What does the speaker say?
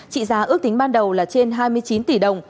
trị giá ước tính ban đầu là trên hai mươi chín tỷ đồng